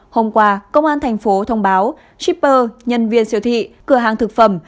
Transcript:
hôm qua công an tp hcm thông báo shipper nhân viên siêu thị cửa hàng thực phẩm